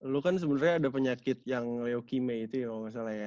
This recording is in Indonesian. lu kan sebenarnya ada penyakit yang leukime itu ya kalau nggak salah ya